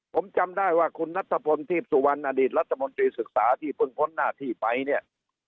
ผมจำได้ว่าคุณนัทพลทีพสุวรรณอดีตรัฐมนตรีศึกษาที่เพิ่งพ้นหน้าที่ไปเนี่ย